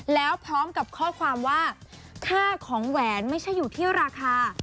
แล้วพร้อมกับข้อความว่าค่าของแหวนไม่ใช่อยู่ที่ราคา